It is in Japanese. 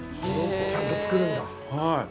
ちゃんと作るんだ。